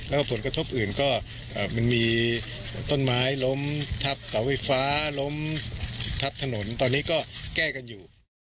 แล้วก็ผลกระทบอื่นก็มันมีต้นไม้ล้มทับเสาไฟฟ้าล้มทับถนนตอนนี้ก็แก้กันอยู่